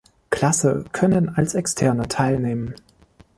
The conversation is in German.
Klasse können als Externe teilnehmen.